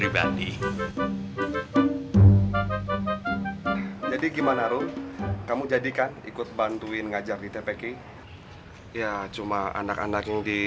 beliau ini sudah mengambil